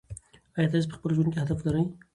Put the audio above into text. آیا تاسې په خپل ژوند کې هدف لرئ؟